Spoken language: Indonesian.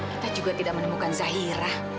kita juga tidak menemukan zahira